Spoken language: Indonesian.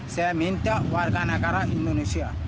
saya minta warga negara indonesia